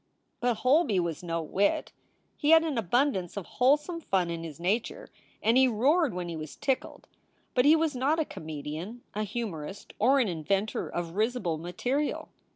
But Holby was no wit. He had an abundance of whole some fun in his nature, and he roared when he was tickled, but he was not a comedian, a humorist, or an inventor of risible material.